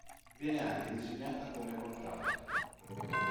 Viene anche designata come contralto.